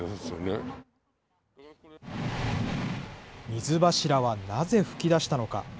水柱はなぜ噴き出したのか。